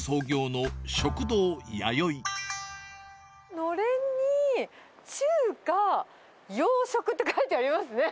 のれんに中華・洋食って書いてありますね。